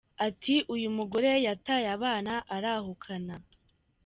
Ati “Uyu mugore yataye abana arahukana.